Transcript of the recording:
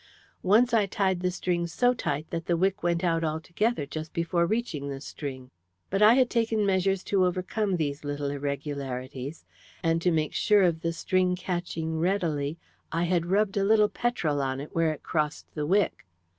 Once I tied the string so tight that the wick went out altogether just before reaching the string. But I had taken measures to overcome these little irregularities, and to make sure of the string catching readily I had rubbed a little petrol on it where it crossed the wick.